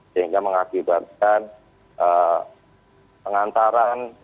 sehingga mengakibatkan pengantaran